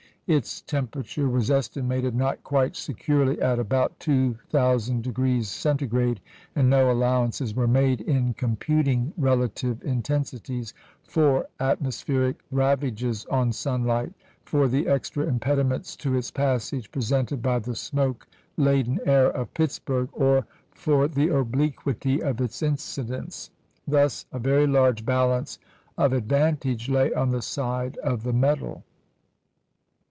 Its temperature was estimated (not quite securely) at about 2,000° C.; and no allowances were made, in computing relative intensities, for atmospheric ravages on sunlight, for the extra impediments to its passage presented by the smoke laden air of Pittsburgh, or for the obliquity of its incidence. Thus, a very large balance of advantage lay on the side of the metal.